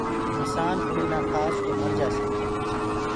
انسآن گُݪي نآ کآس تو مرجآسي